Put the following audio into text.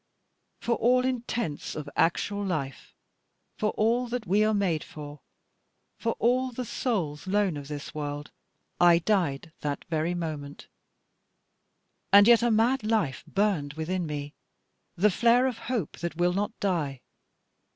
For all intents of actual life, for all that we are made for, for all the soul's loan of this world, I died that very moment; and yet a mad life burned within me, the flare of hope that will not die.